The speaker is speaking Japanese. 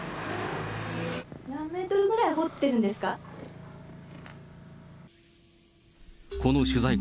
何メートルぐらい掘ってるんですか。